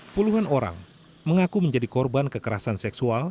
puluhan orang mengaku menjadi korban kekerasan seksual